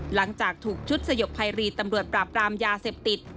หลังจากถูกชุดสยบภัยรีตำรวจปราบปรามยาเสพติด